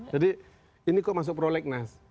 jadi ini kok masuk prolegnas